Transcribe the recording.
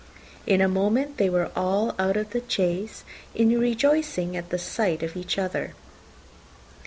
In a moment they were all out of the chaise, rejoicing at the sight of each other.